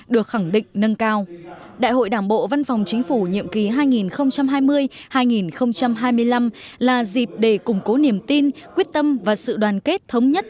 đại hội đảng bộ văn phòng chính phủ nhiệm ký hai nghìn hai mươi hai nghìn hai mươi năm là dịp để củng cố niềm tin quyết tâm và sự đoàn kết thống nhất